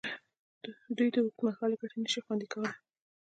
د دوی اوږدمهالې ګټې نشي خوندي کولې.